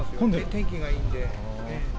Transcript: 天気がいいので。